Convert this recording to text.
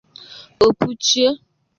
o puchie.